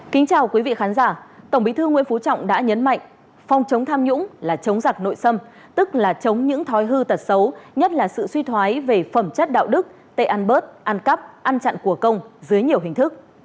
kính chào quý vị khán giả tổng bí thư nguyễn phú trọng đã nhấn mạnh phòng chống tham nhũng là chống giặc nội sâm tức là chống những thói hư tật xấu nhất là sự suy thoái về phẩm chất đạo đức tệ ăn bớt ăn cắp ăn chặn của công dưới nhiều hình thức